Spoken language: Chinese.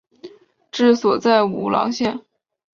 治所在武郎县。